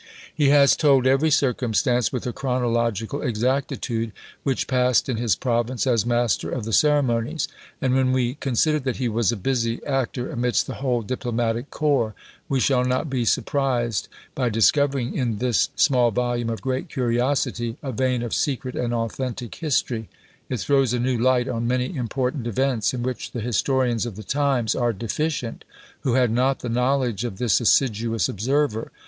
He has told every circumstance, with a chronological exactitude, which passed in his province as master of the ceremonies; and when we consider that he was a busy actor amidst the whole diplomatic corps, we shall not he surprised by discovering, in this small volume of great curiosity, a vein of secret and authentic history; it throws a new light on many important events, in which the historians of the times are deficient, who had not the knowledge of this assiduous observer.